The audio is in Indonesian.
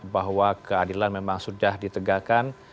bahwa keadilan memang sudah ditegakkan